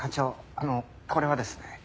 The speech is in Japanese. あのこれはですね。